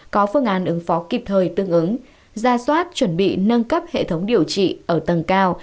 có phương án ứng phó kịp thời tương ứng ra soát chuẩn bị nâng cấp hệ thống điều trị ở tầng cao